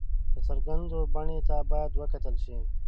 د څرګندېدو بڼې ته باید وکتل شي.